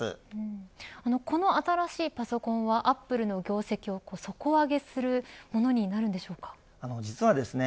この新しいパソコンはアップルの業績を底上げするものに実はですね